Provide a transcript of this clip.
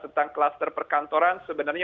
tentang kluster perkantoran sebenarnya